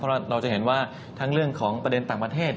เพราะเราจะเห็นว่าทั้งเรื่องของประเด็นต่างประเทศ